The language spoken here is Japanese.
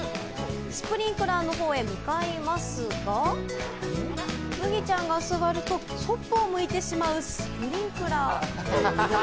スプリンクラーの方へ向かいますが、むぎちゃんが座るとそっぽを向いてしまうスプリンクラー。